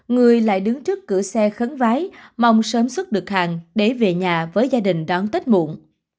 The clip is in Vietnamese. người lại đứng trước cửa xe khấn vái mong sớm xuất được hàng để về nhà với gia đình đón tết muộn